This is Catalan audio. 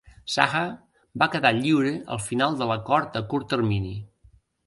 Saha va quedar lliure al final de l'acord a curt termini.